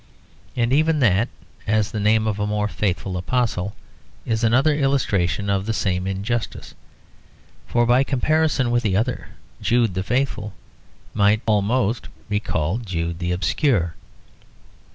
And even that, as the name of a more faithful apostle, is another illustration of the same injustice; for, by comparison with the other, Jude the faithful might almost be called Jude the obscure.